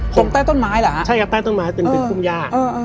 ผมใต้ต้นไม้เหรอใช่ครับใต้ต้นไม้เป็นภูมิญาอ่าเออเออ